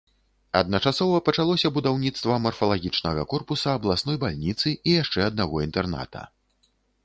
Адначасова пачалося будаўніцтва марфалагічнага корпуса, абласной бальніцы і яшчэ аднаго інтэрната.